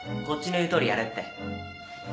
こっちの言うとおりやれって